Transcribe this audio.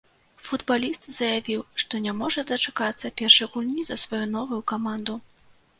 Футбаліст заявіў, што не можа дачакацца першай гульні за сваю новую каманду.